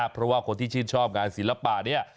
เพราะว่าคนที่ชื่นชอบงานศิลปะเนี่ย